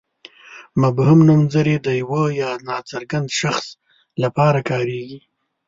مبهم نومځري د یوه ناڅرګند شخص لپاره کاریږي.